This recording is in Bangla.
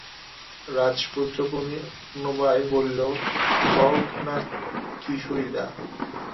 রাজপুত্র পুনবায় বলিল, খাওয়াও না কিশোরীদা?